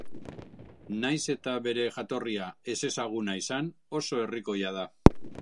Nahiz eta bere jatorria ezezaguna izan, oso herrikoia da.